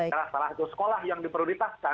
salah satu sekolah yang diperlulitaskan